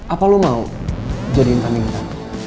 apa lo mau jadi intaminya